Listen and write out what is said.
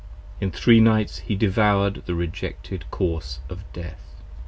In three nights he devour'd the rejected corse of death.